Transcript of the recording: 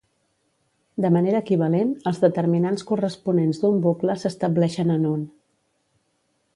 De manera equivalent, els determinants corresponents d'un bucle s'estableixen en un.